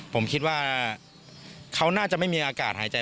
ผมคิดว่าเขาน่าจะไม่มีอากาศหายใจ